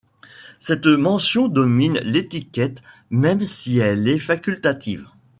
Cette mention domine l'étiquette même si elle est facultative.